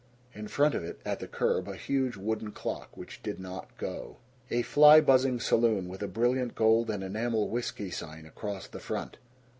In front of it, at the curb, a huge wooden clock which did not go. A fly buzzing saloon with a brilliant gold and enamel whisky sign across the front.